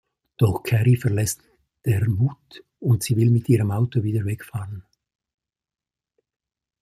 Doch Cary verlässt der Mut, und sie will mit ihrem Auto wieder wegfahren.